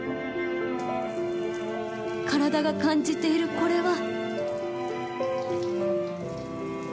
体が感じているこれは。